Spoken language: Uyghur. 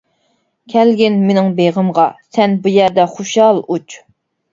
كەلگىن مېنىڭ بېغىمغا، سەن بۇ يەردە خۇشال ئۇچ.